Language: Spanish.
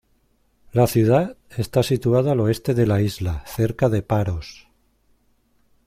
La ciudad está situada al oeste de la isla, cerca de Paros.